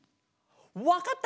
わかった！